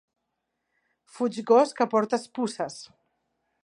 Fuig gos, que portes puces.